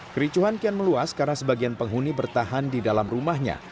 kericuhan kian meluas karena sebagian penghuni bertahan di dalam rumahnya